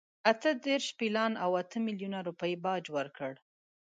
اته دېرش پیلان او اته میلیونه روپۍ باج ورکړ.